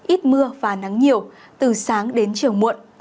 ít mưa và nắng nhiều từ sáng đến chiều muộn